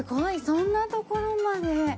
そんなところまで。